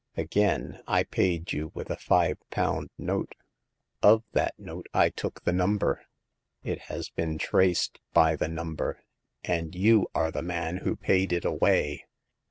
Again, I paid you with a five pound note. Of that note I took the number. It has been traced by the number, and you are the man who paid it away.